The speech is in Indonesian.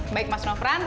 baik mas nofran